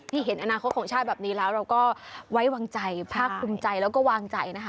เห็นอนาคตของชาติแบบนี้แล้วเราก็ไว้วางใจภาคภูมิใจแล้วก็วางใจนะคะ